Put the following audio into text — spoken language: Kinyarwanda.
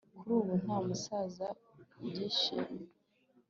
kuri ubu nta musaza ugishimira